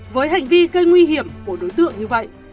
với hành vi gây nguy hiểm của đối tượng như vậy